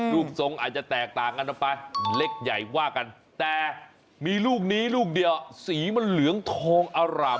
รูปทรงอาจจะแตกต่างกันออกไปเล็กใหญ่ว่ากันแต่มีลูกนี้ลูกเดียวสีมันเหลืองทองอร่าม